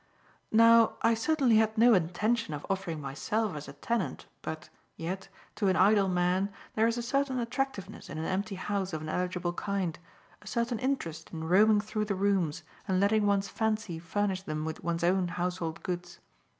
Now I certainly had no intention of offering myself as a tenant, but, yet, to an idle man, there is a certain attractiveness in an empty house of an eligible kind, a certain interest in roaming through the rooms and letting one's fancy furnish them with one's own household goods.